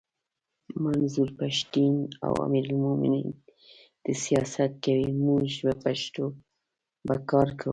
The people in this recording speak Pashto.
منظور پښتین او امیر المومنین دي سیاست کوي موږ به پښتو به کار کوو!